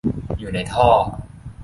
อยู่ในท่อ